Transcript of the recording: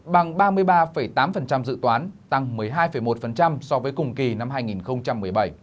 bằng ba mươi ba tám dự toán tăng một mươi hai một so với cùng kỳ năm hai nghìn một mươi bảy